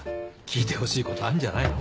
聞いてほしいことあんじゃないの？